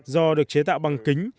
do được chế tạo bằng kính